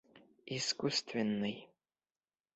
Искусственный.